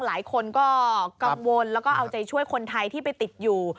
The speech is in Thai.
หลายคนก็กังวลแล้วก็เอาใจช่วยคนไทยที่ไปติดอยู่